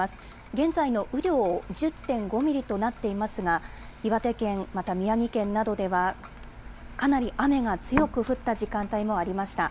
現在の雨量、１０．５ミリとなっていますが、岩手県、また宮城県などでは、かなり雨が強く降った時間帯もありました。